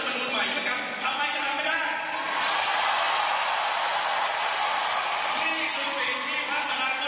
และกำกัดมรดบของพ่อศักดิ์ช้อน้วยยุติที่สองครับ